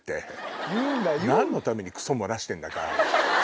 何のためにクソ漏らしてんだか。